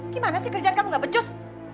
gimana sih kerja kamu gak becus